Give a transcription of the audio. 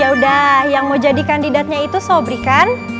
ya udah yang mau jadi kandidatnya itu sobri kan